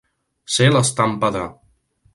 Ser l'estampa de.